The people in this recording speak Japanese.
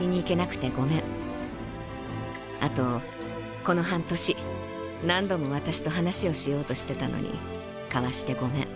あとこの半年何度も私と話をしようとしてたのにかわしてごめん。